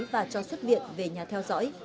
và cho xuất viện về nhà theo dõi